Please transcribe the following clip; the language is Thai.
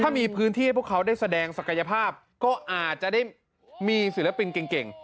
ถ้ามีพื้นที่ให้พวกเขาได้แสดงศักยภาพก็อาจจะได้มีศิลปินเก่ง